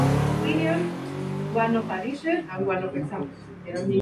Su padre era un erudito confuciano que se convirtió en presbiteriano.